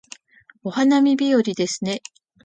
お花見日和ですね